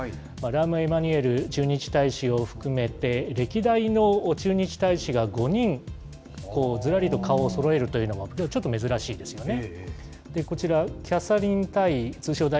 エマニュエル駐日大使を含めて、歴代の駐日大使が５人ずらりと顔をそろえるというのは、ちょっと珍しいですよね。